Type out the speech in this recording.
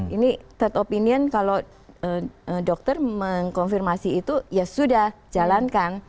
ini third opinion kalau dokter mengkonfirmasi itu ya sudah jalankan